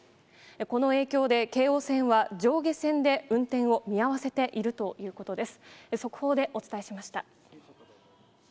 この影響で、京王線は上下線で運転を見合わせているということです。